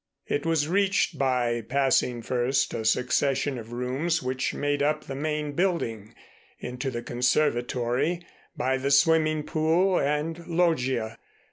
It was reached by passing first a succession of rooms which made up the main building, into the conservatory, by the swimming pool and loggia.